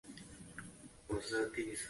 皇帝的黄袍用柘黄所染。